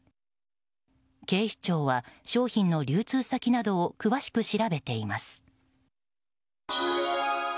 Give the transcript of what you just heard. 警視庁は商品の流通先などを詳しく調べています。